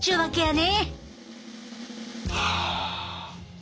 ね。